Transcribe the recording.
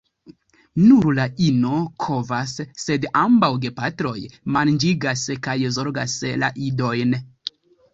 Nur la ino kovas, sed ambaŭ gepatroj manĝigas kaj zorgas la idojn.